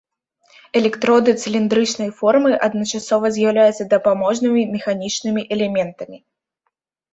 Электроды цыліндрычнай формы, адначасова з'яўляюцца дапаможнымі механічнымі элементамі.